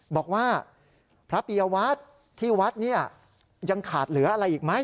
บอกว่าพระปียวัตรที่วัดเนี่ยยังขาดเหลืออะไรอีกไหม